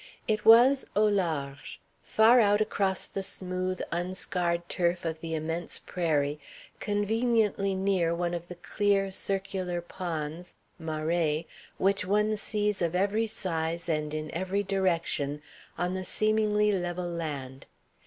It was au large, far out across the smooth, unscarred turf of the immense prairie, conveniently near one of the clear circular ponds maraises which one sees of every size and in every direction on the seemingly level land.